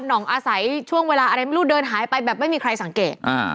ห่องอาศัยช่วงเวลาอะไรไม่รู้เดินหายไปแบบไม่มีใครสังเกต